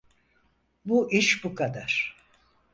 Bu iş bu kadar.